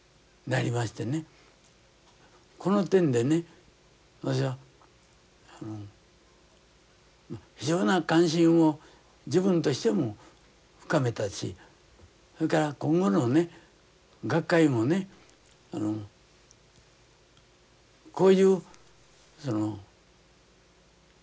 この点でねあの非常な関心を自分としても深めたしそれから今後のね学会もねこういうその調査研究の方法をね